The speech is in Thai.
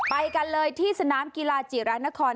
ไปกันเลยที่สนามธุรกิจรรณคน